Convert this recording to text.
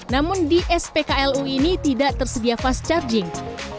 namun di spklu ini tidak tersedia fast charging